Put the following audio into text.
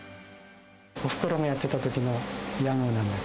おふくろがやってたときの屋号なんです。